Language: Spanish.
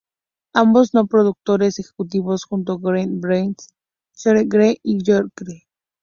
Ambos son productores ejecutivos junto con Greg Berlanti, Sarah Schechter y Jon Goldwater.